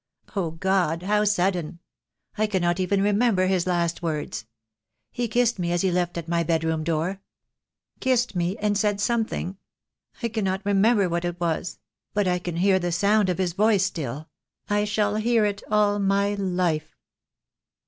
Oh, God, how sudden. I cannot even remember his last words. He kissed me as he left me at my bedroom door — kissed me and said something. I cannot remember what it was; but I can hear the sound of his voice still — I shall hear it all my life."